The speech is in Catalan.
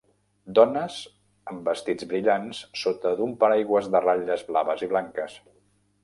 Dones amb vestits brillants sota d'un paraigües de ratlles blaves i blanques.